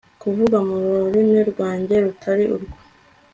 kuvuga mu rurimi rwanjye rutari rwo